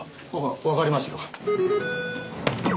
わかりますよ。